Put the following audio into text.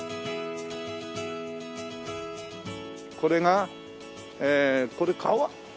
これがこれ川？